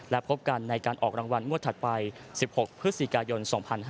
และพบกันในการออกรางวัลงวดถัดไป๑๖พฤศจิกายน๒๕๕๙